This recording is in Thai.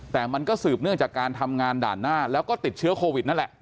แต่มันก็สืบเนื่องจากการทำงานด่านหน้าแล้วก็ติดเชื้อโควิดนั่นแหละ